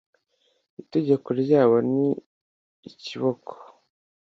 Itegeko ryabo ni ikiboko